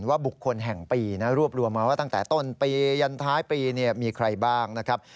ว่าบุคคลแห่งปีนะรวบรวมมาว่าตั้งแต่ต้นปียันท้ายปีมีใครบ้างนะครับ